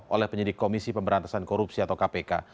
oleh penyidik komisi pemberantasan korupsi atau kpk